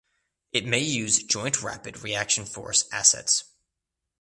It may use Joint Rapid Reaction Force assets.